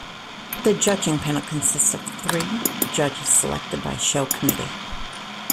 The judging panel consists of three judges selected by the Show Committee.